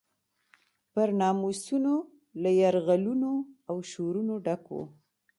پر ناموسونو له یرغلونو او شورونو ډک و.